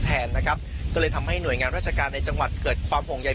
แทนนะครับก็เลยทำให้หน่วยงานราชการในจังหวัดเกิดความห่วงใย